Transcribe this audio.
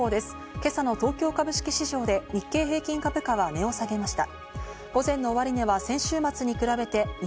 今朝の東京株式市場で日経平均株価は値を下げました。